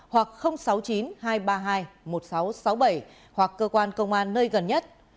hoặc sáu mươi chín hai trăm ba mươi hai một nghìn sáu trăm sáu mươi bảy hoặc cơ quan công an nơi gần nhất